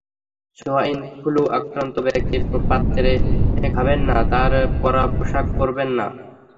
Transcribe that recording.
Swine flu আক্রান্ত ব্যক্তির পাত্রে খাবেন না, তাঁর পরা পোশাক পরবেন না।